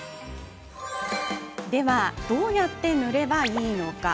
では、どうやって塗ればいいのか。